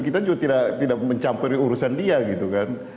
kita juga tidak mencampuri urusan dia gitu kan